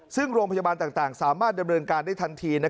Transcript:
ซึ่งโรงพยาบาลต่างสามารถดำเนินการได้ทันที